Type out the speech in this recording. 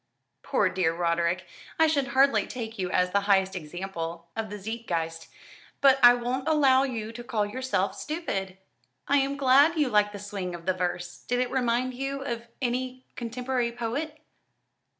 "Poor dear Roderick, I should hardly take you as the highest example of the Zeitgeist; but I won't allow you to call yourself stupid. I'm glad you like the swing of the verse. Did it remind you of any contemporary poet?"